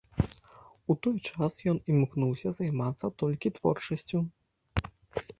У той час ён імкнуўся займацца толькі творчасцю.